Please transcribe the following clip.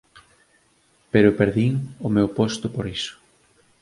Pero perdín o meu posto por iso.